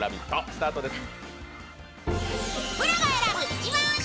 スタートです。